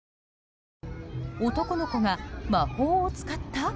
男の子が魔法を使った？